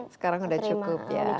sekarang udah cukup